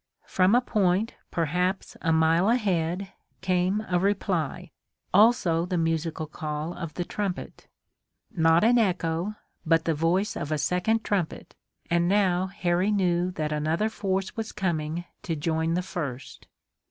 From a point perhaps a mile ahead came a reply, also the musical call of the trumpet. Not an echo, but the voice of a second trumpet, and now Harry knew that another force was coming to join the first.